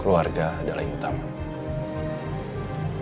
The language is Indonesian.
keluarga adalah yang utama